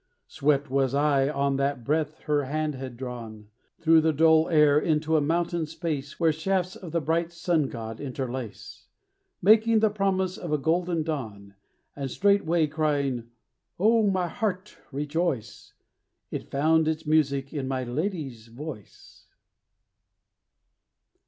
Swept was I on that breath her hand had drawn, Through the dull air, into a mountain space, Where shafts of the bright sun god interlace, Making the promise of a golden dawn. And straightway crying, "O my heart, rejoice!" It found its music in my lady's voice.